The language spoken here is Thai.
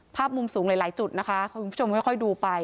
ภาพมุมสูงหลายจุดนะคะคุณผู้ชมค่อยดูไป